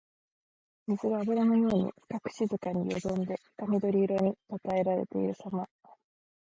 水があぶらのように深く静かによどんで深緑色にたたえているさま。